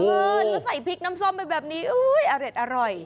แล้วใส่พริกน้ำส้มไปแบบนี้อร่อย